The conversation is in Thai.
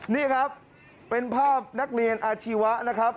นี่ครับเป็นภาพนักเรียนอาชีวะนะครับ